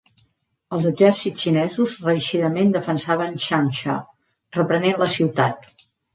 Els exèrcits xinesos reeixidament defensaven Changsha, reprenent la ciutat.